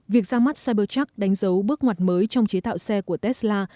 việc ra mắt cybertruck đánh dấu bước ngoặt mới trong chế tạo xe của tesla